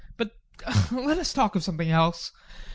But let us talk of something else!